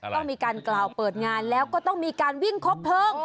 ต้องมีการเกราะเปิดงานแล้วก็ต้องมีการวิ่งครบ